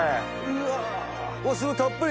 うわすごいたっぷり！